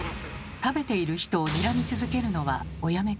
食べている人をにらみ続けるのはおやめ下さい。